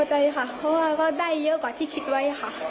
ใช่ค่ะเพราะว่าก็ได้เยอะกว่าที่คิดไว้ค่ะ